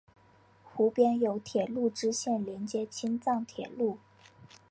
湖边有铁路支线连接青藏铁路。